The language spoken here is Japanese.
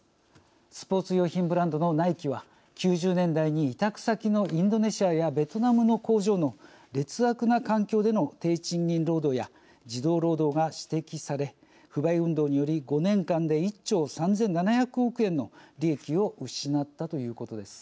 スポーツ用品ブランドのナイキは９０年代に委託先のインドネシアやベトナムの工場の劣悪な環境での低賃金労働や児童労働が指摘され不買運動により５年間で１兆３，７００億円の利益を失ったということです。